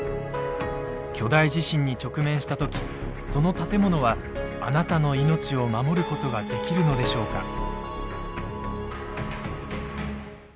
巨大地震に直面した時その建物はあなたの命を守ることができるのでしょうか。